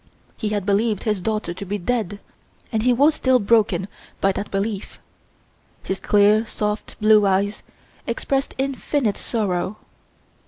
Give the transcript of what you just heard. He had believed his daughter to be dead, and he was still broken by that belief. His clear, soft, blue eyes expressed infinite sorrow.